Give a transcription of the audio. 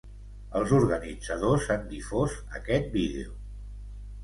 Els organitzadors han difós aquest vídeo.